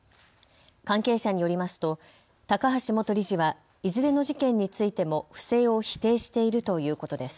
関係者によりますと高橋元理事はいずれの事件についても不正を否定しているということです。